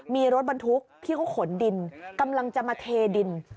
มีรถบรรทุกที่เขาขนดินกำลังจะมาเทดิน